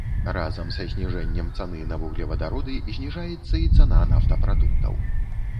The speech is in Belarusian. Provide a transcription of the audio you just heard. Разам са зніжэннем цаны на вуглевадароды зніжаецца і цана нафтапрадуктаў.